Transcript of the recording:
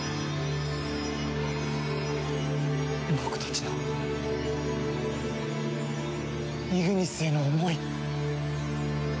僕たちのイグニスへの思い。